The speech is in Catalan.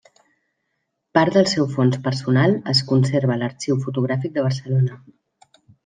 Part del seu fons personal es conserva a l'Arxiu Fotogràfic de Barcelona.